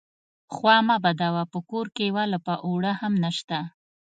_خوا مه بدوه، په کور کې يوه لپه اوړه هم نشته.